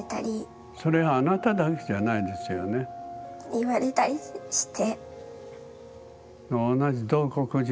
言われたりして。